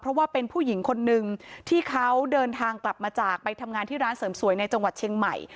เพราะว่าเป็นผู้หญิงคนนึงที่เขาเดินทางกลับมาจากไปทำงานที่ร้านเสริมสวยในจังหวัดเชียงใหม่